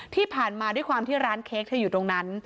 ที่ผ่านมาด้วยความที่ร้านเค้กเธออยู่ตรงนั้น